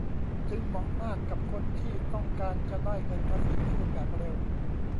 จึงเหมาะมากกับคนที่ต้องการจะได้เงินภาษีคืนแบบเร็ว